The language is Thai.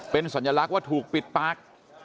เป็นสัญลักษณ์ว่าถูกปิดปาก